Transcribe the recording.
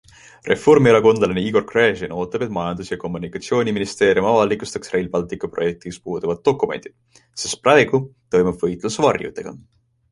Reformierakondlane Igor Gräzin ootab, et majandus- ja kommunikatsiooniministeerium avalikustaks Rail Balticu projekti puudutavad dokumendid, sest praegu toimub võitlus varjudega.